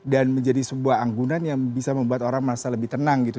dan menjadi sebuah anggunan yang bisa membuat orang merasa lebih tenang gitu